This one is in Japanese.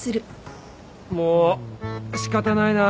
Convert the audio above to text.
もう仕方ないな。